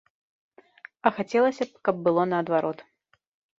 А хацелася б, каб было наадварот.